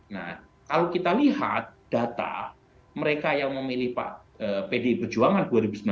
nah kalau kita lihat data mereka yang memilih pak pdi perjuangan dua ribu sembilan belas